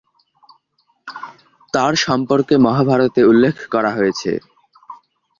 তার সর্ম্পকে মহাভারতে উল্লেখ করা হয়েছে।